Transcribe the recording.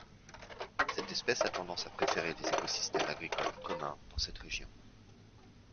Cette espèce a tendance à préférer les écosystèmes agricoles communs dans cette région.